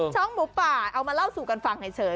หมูป่าเอามาเล่าสู่กันฟังเฉย